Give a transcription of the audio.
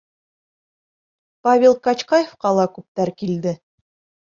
Павел Качкаевҡа ла күптәр килде.